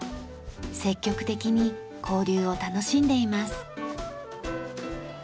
積極的に交流を楽しんでいます。